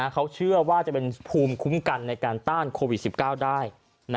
เขาเชื่อว่าจะเป็นภูมิคุ้มกันในการต้านโควิด๑๙ได้